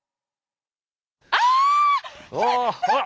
ああ！